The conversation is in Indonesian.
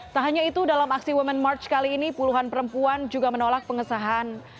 tak hanya itu dalam aksi women march kali ini puluhan perempuan juga menolak pengesahan